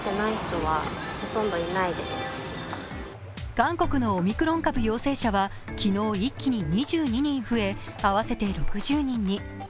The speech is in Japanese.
韓国のオミクロン株陽性者は昨日、一木に２２人増え合わせて６０人に。